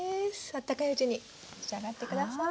あったかいうちに召し上がって下さい。